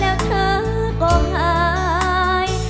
แล้วเธอก็หาย